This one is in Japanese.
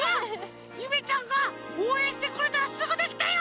ゆめちゃんがおうえんしてくれたらすぐできたよ！